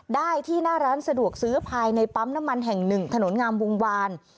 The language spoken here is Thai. ได้ที่หน้าร้านสะดวกซื้อภายในปั๊มน้ำมันแห่งหนึ่งถนนงามวงวาน